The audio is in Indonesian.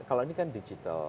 kalau ini kan digital